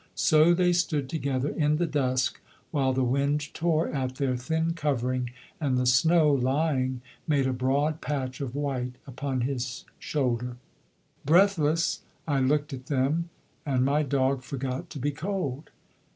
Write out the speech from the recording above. So they stood together in the dusk, while the wind tore at their thin covering, and the snow, lying, made a broad patch of white upon his shoulder. Breathless I looked at them, and my dog forgot to be cold.